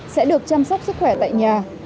sẽ được chăm sóc sức khỏe tại nhà